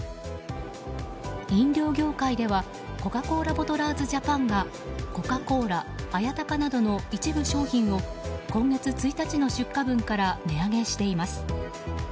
飲料業界ではコカ・コーラボトラーズジャパンがコカ・コーラ、綾鷹などの一部商品を今月１日の出荷分から値上げしています。